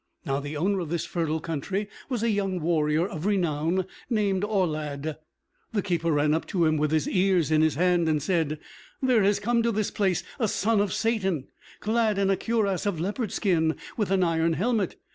Now the owner of this fertile country was a young warrior of renown named Aulad. The keeper ran up to him with his ears in his hand, and said: "There has come to this place a son of Satan, clad in a cuirass of leopard skin, with an iron helmet.